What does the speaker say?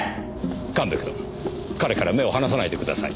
神戸君彼から目を離さないでください。